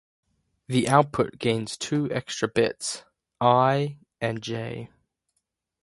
The output gains two extra bits, "i" and "j".